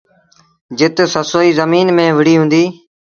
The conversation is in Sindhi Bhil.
جت سسئيٚ زميݩ ميݩ وُهڙيٚ هُݩديٚ۔